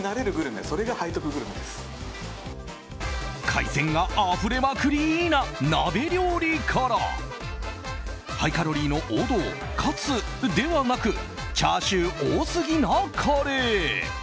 海鮮があふれまくりな鍋料理からハイカロリーの王道カツではなくチャーシュー多すぎなカレー。